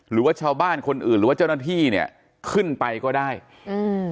หรือว่าชาวบ้านคนอื่นหรือว่าเจ้าหน้าที่เนี้ยขึ้นไปก็ได้อืม